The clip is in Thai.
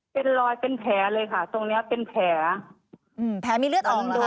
เป็นรอยเป็นแผลเลยค่ะตรงเนี้ยเป็นแผลอืมแผลมีเลือดออกด้วย